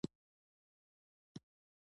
اوریدونکي یې هم ساده نارینه او ښځینه وي.